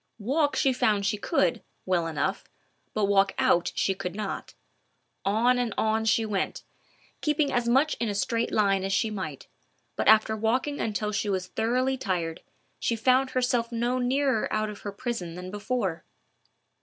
Walk she found she could, well enough, but walk out she could not. On and on she went, keeping as much in a straight line as she might, but after walking until she was thoroughly tired, she found herself no nearer out of her prison than before.